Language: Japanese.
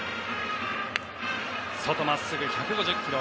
外まっすぐ、１５０キロ。